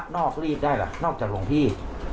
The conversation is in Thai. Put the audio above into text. นอกก็รีบได้นอกจากหลวงพี่